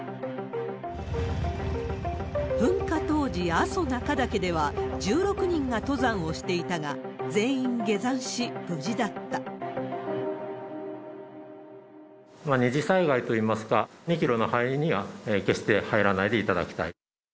噴火当時、阿蘇中岳では１６人が登山をしていたが、二次災害といいますか、２キロの範囲には決して入らないでいただきたい。